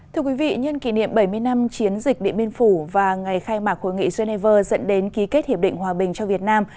thưa quý vị nhân kỷ niệm bảy mươi năm chiến dịch điện biên phủ và ngày khai mạc hội nghị geneva dẫn đến ký kết hiệp định hòa bình cho việt nam